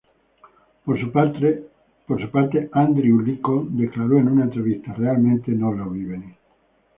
Por su parte, Andrew Lincoln, declaró en una entrevista: ""Realmente no lo vi venir.